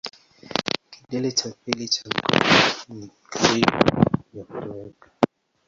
Kidole cha pili cha mikono ni karibu ya kutoweka.